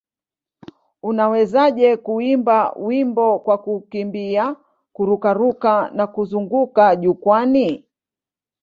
Unawezaje kuimba wimbo kwa kukimbia, kururuka na kuzunguka jukwaani?